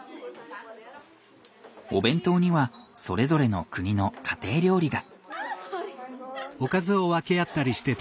お弁当にはそれぞれの国の家庭料理が。